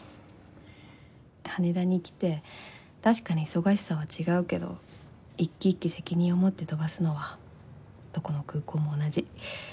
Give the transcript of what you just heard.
羽田に来て確かに忙しさは違うけど一機一機責任を持って飛ばすのはどこの空港も同じ。